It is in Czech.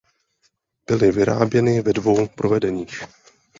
Byly vyráběny ve dvou provedeních.